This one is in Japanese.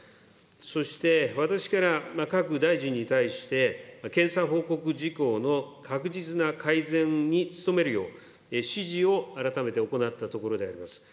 そして、私から各大臣に対して、検査報告事項の確実な改善に努めるよう、指示を改めて行ったところであります。